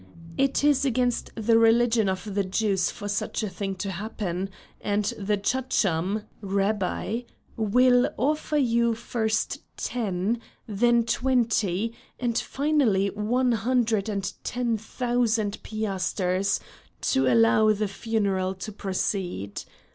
It is against the religion of the Jews for such a thing to happen, and the Chacham (rabbi) will offer you first ten, then twenty, and finally one hundred and ten thousand piasters to allow the funeral to proceed.